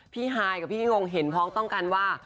พี่ฮายกับพี่ยิงยงเห็นพร้อมต้องการว่า